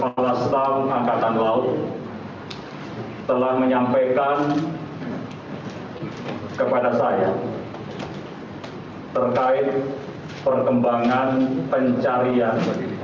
kepala staf angkatan laut telah menyampaikan kepada saya terkait perkembangan pencarian